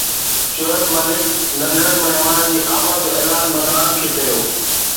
شعيب ملڪ ننڍڙن مهمانن جي آمد جو اعلان مداحن کي ڪيو